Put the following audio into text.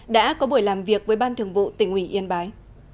đã có buổi làm việc với ban thường vụ tỉnh ủy yên bái